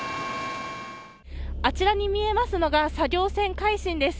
あちらに見えますのが作業船、海進です。